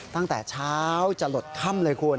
ตั้งแต่เช้าจะหลดค่ำเลยคุณ